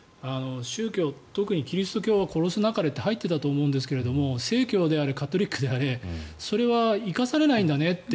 宗教、特にキリスト教は殺すなかれって入ってたと思うんですが正教であれカトリックであれそれは生かされないんだねって。